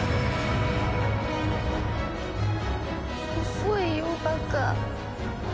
遅いよバカ。